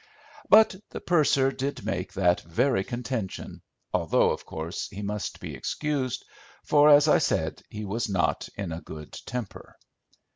But the purser did make that very contention, although of course he must be excused, for, as I said, he was not in a good temper.